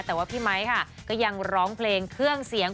แต่ว่าพี่ไมค์ค่ะก็ยังร้องเพลงเครื่องเสียง